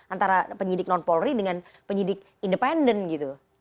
antara penyidik non polri dengan penyidik independen gitu